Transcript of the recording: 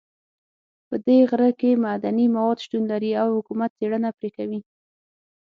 په دې غره کې معدني مواد شتون لري او حکومت څېړنه پرې کوي